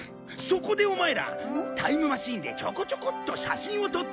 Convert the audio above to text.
そこでオマエらタイムマシンでちょこちょこっと写真を撮ってきてくれ。